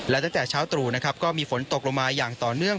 และตั้งแต่เช้าตรู่นะครับก็มีฝนตกลงมาอย่างต่อเนื่อง